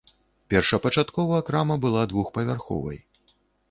Першапачаткова крама была двухпавярховай.